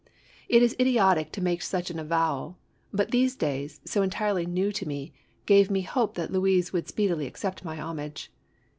It is idiotic to make such an avowal, but these ways, so entirely new to me, gave me hope that Louise would speedily accept my homage.